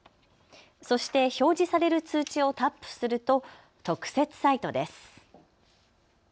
そして表示される通知をタップすると、特設サイトです。